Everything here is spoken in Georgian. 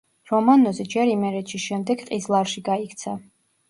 რომანოზი ჯერ იმერეთში, შემდეგ ყიზლარში გაიქცა.